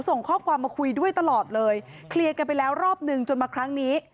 ส่งข้อความมาคุยด้วยตลอดเลยเคลียร์กันไปแล้วรอบนึงจนมาครั้งนี้